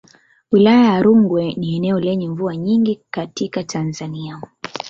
Wilaya ya Rungwe ni eneo lenye mvua nyingi katika Tanzania.